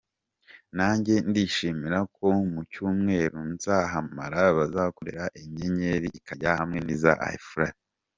Nange ndishimira ko mu cyumweru nzahamara, bazankorera inyenyeri ikajya hamwe n’iza ba Fuleva.